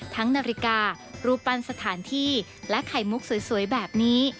นาฬิการูปปั้นสถานที่และไข่มุกสวยแบบนี้